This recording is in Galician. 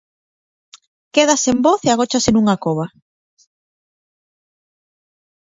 Queda sen voz e agóchase nunha cova.